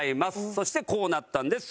そしてこうなったんです。